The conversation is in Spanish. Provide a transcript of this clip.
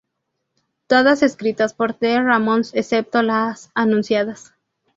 Todas escritas por The Ramones excepto la anunciadas.